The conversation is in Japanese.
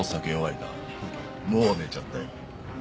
もう寝ちゃったよ。